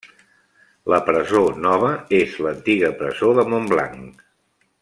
La Presó Nova és l'antiga presó de Montblanc.